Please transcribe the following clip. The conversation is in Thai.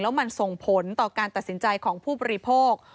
มันส่งผลต่อการตัดสินใจของผู้บริโภค